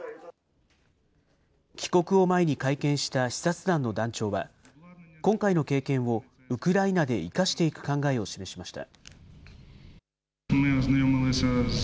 帰国を前に会見した視察団の団長は、今回の経験をウクライナで生かしていく考えを示しました。